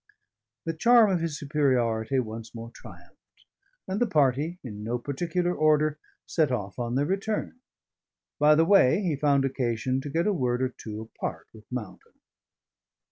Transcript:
The charm of his superiority once more triumphed; and the party, in no particular order, set off on their return. By the way, he found occasion to get a word or two apart with Mountain.